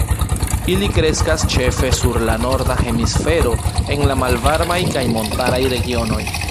Ili kreskas ĉefe sur la norda hemisfero, en la malvarmaj kaj montaraj regionoj.